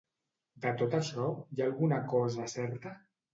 De tot això, hi ha alguna cosa certa?